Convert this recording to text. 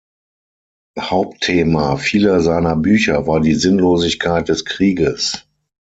Hauptthema vieler seiner Bücher war die Sinnlosigkeit des Krieges.